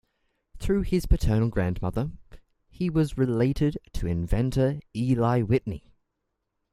Through his paternal grandmother, he was related to inventor Eli Whitney.